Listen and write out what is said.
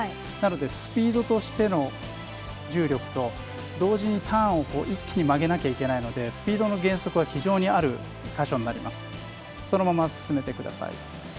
なのでスピードとしての重力と同時にターンを一気に曲げなきゃいけないのでスピードの減速が非常にある箇所になります。